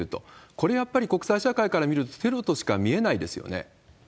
これ、やっぱり国際社会から見ると、テロとしか見えないですよね。